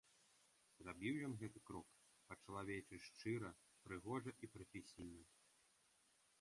Зрабіў ён гэты крок па-чалавечы шчыра, прыгожа і прафесійна.